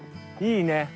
いいね。